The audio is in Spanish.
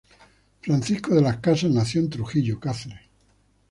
Francisco de las Casas nació en Trujillo, Cáceres.